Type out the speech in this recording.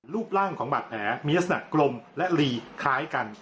รูปร่างของบาดแผลมีลักษณะกลมและลีคล้ายกัน